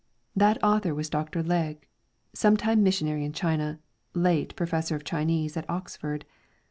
'' That author was Dr. Legge, some time missionary in China, late Professor of Chinese at Oxford.